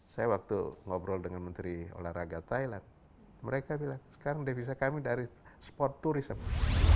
saya waktu ngobrol dengan menteri olahraga thailand mereka bilang sekarang devisa kami dari sport tourism